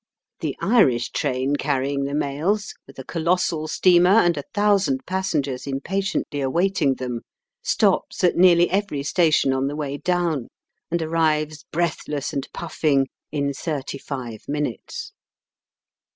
The Irish train carrying the mails, with Digitized by VjOOQIC '*OFF SANDY HOOK." 11 a colossal steamer and a thousand passengers impatiently awaiting them, stops at nearly every station on the way down, and arrives breathless and puffing in thirty five minutes.